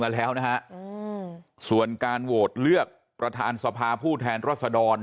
มาแล้วนะฮะอืมส่วนการโหวตเลือกประธานสภาผู้แทนรัศดร